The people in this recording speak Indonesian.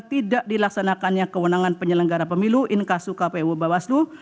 tidak dilaksanakannya kewenangan penyelenggara pemilu inkasu kpu bawaslu